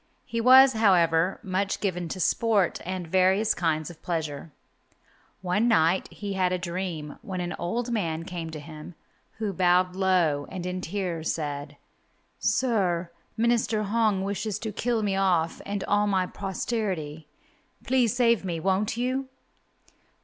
He was, however, much given to sport and various kinds of pleasure. One night he had a dream, when an old man came to him, who bowed low, and in tears said, "Sir, Minister Hong wishes to kill off me and all my posterity. Please save me, won't you?"